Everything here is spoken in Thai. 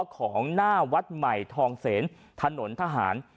ของหน้าวัดใหม่ทองเสนถนนทหาร